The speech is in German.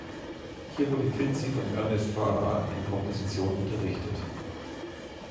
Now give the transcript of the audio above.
Hier wurde Finzi von Ernest Farrar in Komposition unterrichtet.